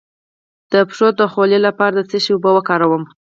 د پښو د خولې لپاره د څه شي اوبه وکاروم؟